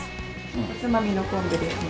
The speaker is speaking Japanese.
おつまみの昆布です。